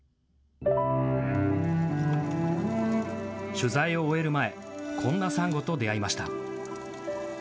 取材を終える前、こんなサンゴと出会いました。